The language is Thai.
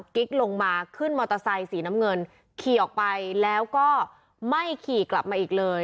กิ๊กลงมาขึ้นมอเตอร์ไซค์สีน้ำเงินขี่ออกไปแล้วก็ไม่ขี่กลับมาอีกเลย